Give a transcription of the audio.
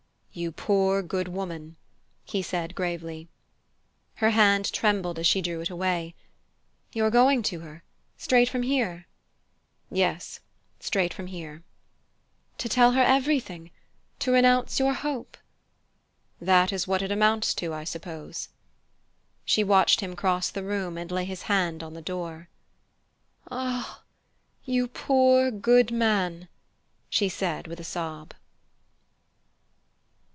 "You poor, good woman!" he said gravely. Her hand trembled as she drew it away. "You're going to her straight from here?" "Yes straight from here." "To tell her everything to renounce your hope?" "That is what it amounts to, I suppose." She watched him cross the room and lay his hand on the door. "Ah, you poor, good man!" she said with a sob.